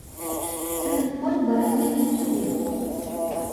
Стары конь баразны не псуе.